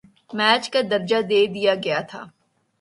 match کا درجہ دے دیا گیا تھا